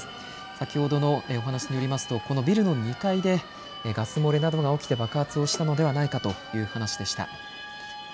先ほどのお話によりますとこのビルの２階でガス漏れなどが起きて爆発をしたのではないかという話でした。